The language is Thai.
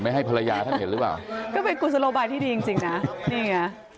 ให้ภรรยาท่านเห็นหรือเปล่าก็เป็นกุศโลบายที่ดีจริงจริงนะนี่ไง